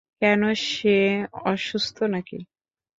কেন সে অসুস্থ নাকি?